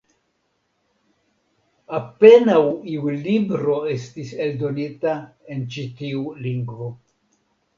Apenaŭ iu libro estis eldonita en ĉi tiu lingvo.